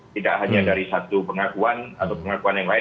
tidak hanya dari satu pengakuan atau pengakuan yang lain